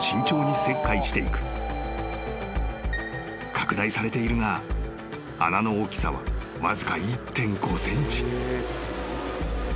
［拡大されているが穴の大きさはわずか１．５ｃｍ］